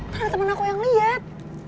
ntar ada temen aku yang liat